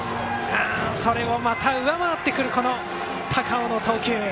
それをまた上回ってくる高尾の投球。